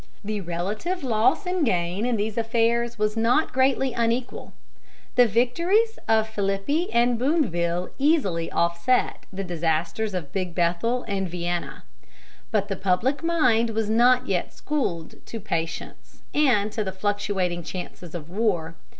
The relative loss and gain in these affairs was not greatly unequal. The victories of Philippi and Boonville easily offset the disasters of Big Bethel and Vienna. But the public mind was not yet schooled to patience and to the fluctuating chances of war.